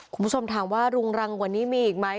คุณผู้ชมถามว่ารุงรังกว่านี้มีอีกไหม